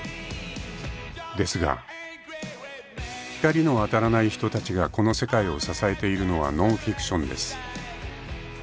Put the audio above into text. ［ですが光の当たらない人たちがこの世界を支えているのはノンフィクションです］